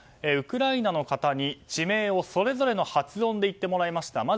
ウクライナの方に地名をそれぞれの発音で言ってもらいました。